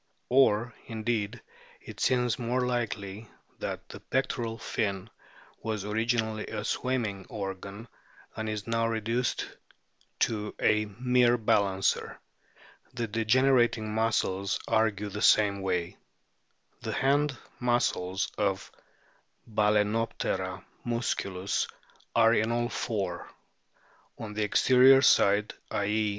Or, indeed, it seems more likely that the pectoral fin was originally a swimming organ, and is now reduced to a mere balancer. The degenerating muscles argue the same o o o way. The hand muscles of Bal&noptera musculus are in all four. On the extensor side, i.e.